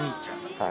はい。